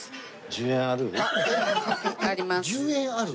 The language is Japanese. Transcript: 「１０円ある？」。